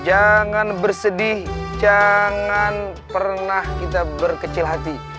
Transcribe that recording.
jangan bersedih jangan pernah kita berkecil hati